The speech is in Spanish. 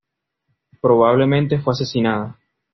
Probablemente fue asesinada.